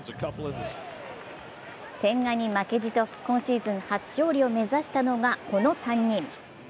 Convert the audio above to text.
千賀に負けじと今シーズン初勝利を目指したのが、この３人。